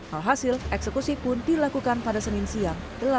alhasil eksekusi pun dilakukan pada senin siang